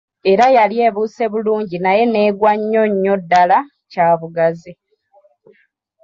Era yali ebuuse bulungi naye n'egwa nnyo nnyo ddala kyabugazi.